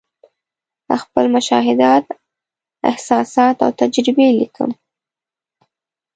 خپل مشاهدات، احساسات او تجربې لیکم.